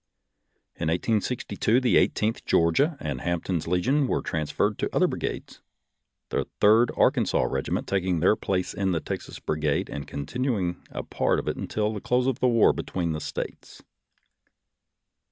In 1862 the Eighteenth Geor gia and Hampton's Legion were transferred to other brigades, the Third Arkansas Regiment taking their place in the Texas Brigade, and con tinuing a part of it until the close of the war between the States.